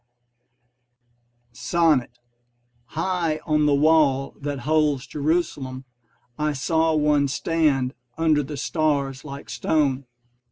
SONNET High on the wall that holds Jerusalem I saw one stand under the stars like stone.